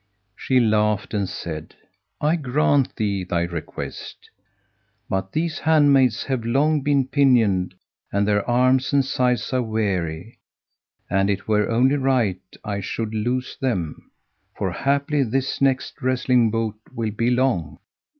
She laughed and said, "I grant thee thy request: but these handmaids have long been pinioned and their arms and sides are weary, and it were only right I should loose them, for haply this next wrestling bout will be long."